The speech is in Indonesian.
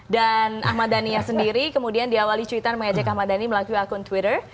dan ahmad dhaninya sendiri kemudian diawali cuitan mengajak ahmad dhani melakukannya akun twitter